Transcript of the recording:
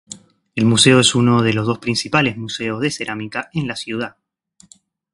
El museo es uno de los dos principales museos de cerámica en la ciudad.